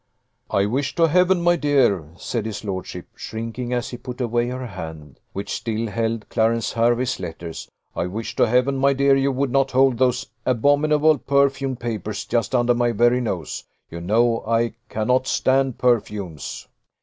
"I wish to Heaven, my dear," said his lordship, shrinking as he put away her hand, which still held Clarence Hervey's letters, "I wish to Heaven, my dear, you would not hold those abominable perfumed papers just under my very nose. You know I cannot stand perfumes."